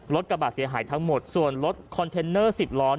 กระบาดเสียหายทั้งหมดส่วนรถคอนเทนเนอร์๑๐ล้อ